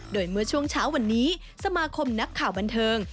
โดยเมื่อช่วงเช้าวันนี้สมาคมนักข่าวบันเทิง